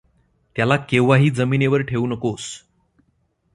त्याला केव्हाही जमिनीवर ठेऊ नकोस.